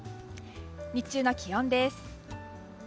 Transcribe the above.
日中の気温です。